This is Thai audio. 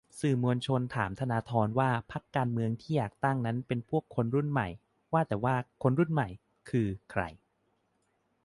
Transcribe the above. : สื่อมวลชนถามธนาธรว่าพรรคการเมืองที่อยากตั้งนั้นเป็นพวกคนรุ่นใหม่ ว่าแต่ว่า 'คนรุ่นใหม่' คือใคร ?